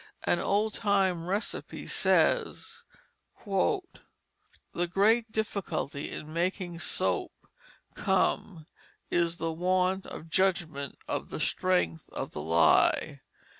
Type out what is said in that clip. An old time receipt says: "The great Difficulty in making Soap come is the want of Judgment of the Strength of the Lye.